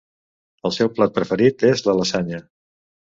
El seu plat preferit és la lasanya.